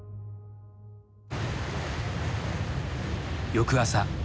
翌朝。